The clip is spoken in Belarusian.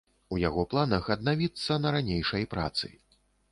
У яго планах аднавіцца на ранейшай працы.